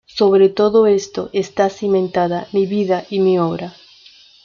Sobre todo esto está cimentada mi vida y mi obra.